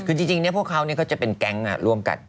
คือจริงเนี่ยพวกเขาเนี่ยก็จะเป็นแก๊งอ่ะร่วมกัน